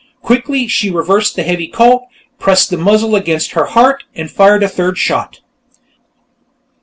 Quickly, she reversed the heavy Colt, pressed the muzzle against her heart, and fired a third shot.